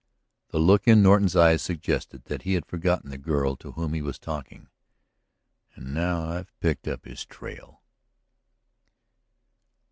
..." The look in Norton's eyes suggested that he had forgotten the girl to whom he was talking. "And now I have picked up his trail!"